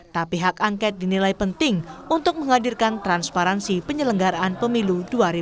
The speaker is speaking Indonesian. tapi hak angket dinilai penting untuk menghadirkan transparansi penyelenggaraan pemilu dua ribu dua puluh